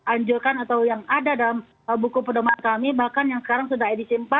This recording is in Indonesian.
anjurkan atau yang ada dalam buku pedoman kami bahkan yang sekarang sudah edisi empat